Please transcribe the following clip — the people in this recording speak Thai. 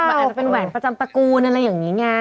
มันอาจจะเป็นแหวนประจำตระกูลอะไรอย่างนี้ไง